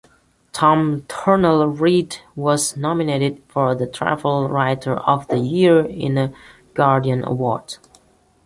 Tom Thurnell-Read was nominated for Travel Writer of the Year in the Guardian awards.